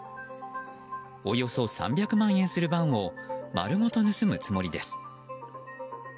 およそ３００万円するバンを丸ごと盗むつもりです。